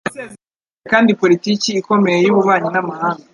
Yasezeranije kandi politiki ikomeye y’ububanyi n’amahanga.